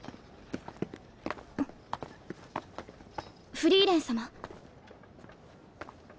フリーレン様？